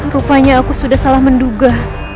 rupanya aku sudah salah menduga